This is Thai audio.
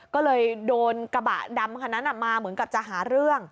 ก็เลยโดนกระบะดำคันนั้นมาเหมือนกับจะหาเรื่อง